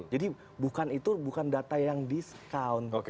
jadi itu bukan data yang discount